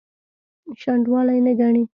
شنډوالي نه ګڼي.